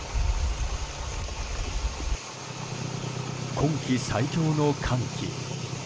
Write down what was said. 今季最強の寒気。